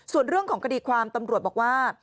ส่วนเรื่องของคดีความตำรวจบอกว่า